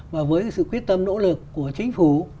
và với sự quyết tâm nỗ lực của chính phủ